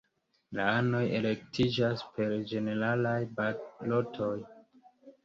La anoj elektiĝas per ĝeneralaj balotoj.